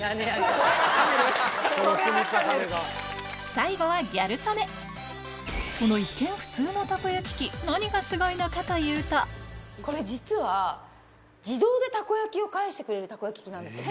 最後はこの一見普通のたこ焼き器何がスゴいのかというとこれ実は自動でたこ焼きを返してくれるたこ焼き器なんですよ。